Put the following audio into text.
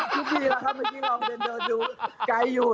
ทุกทีแล้วครับเมื่อกี้ลองเดินดูไกลอยู่